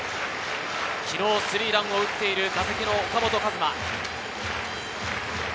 昨日スリーランを打っている打席の岡本和真。